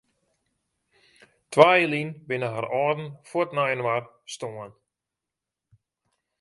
Twa jier lyn binne har âlden fuort nei inoar stoarn.